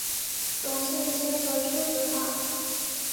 总线接口初始化